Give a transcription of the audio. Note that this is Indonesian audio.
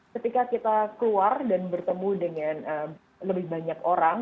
ketika kita keluar dan bertemu dengan lebih banyak orang